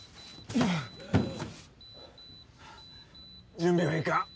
準備はいいか？